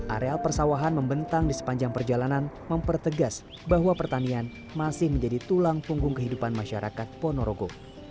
areal persawahan membentang di sepanjang perjalanan mempertegas bahwa pertanian masih menjadi tulang punggung kehidupan masyarakat ponorogo